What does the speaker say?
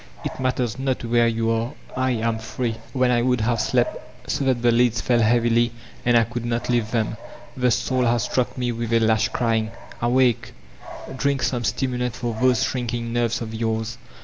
It matters not where yon are, / am free." When I would have slept, so that the lids fell heavily and I could not lift them, the Soul has struck me with a lash, crying, "Awake! Drink some stimulant for those shrinking nerves of yours